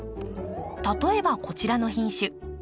例えばこちらの品種。